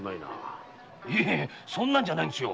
そんなんじゃないんですよ。